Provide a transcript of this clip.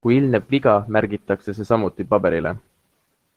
Kui ilmneb viga, märgitakse see samuti paberile.